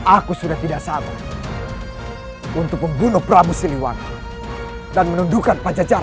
aku sudah tidak sabar untuk membunuh prabu siliwan dan menundukkan pajajaran